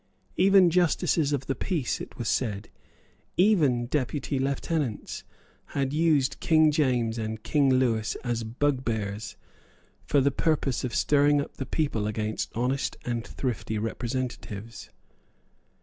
Even justices of the peace, it was said, even deputy lieutenants, had used King James and King Lewis as bugbears, for the purpose of stirring up the people against honest and thrifty representatives.